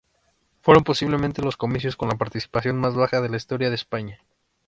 Fueron posiblemente los comicios con la participación más baja de la Historia de España.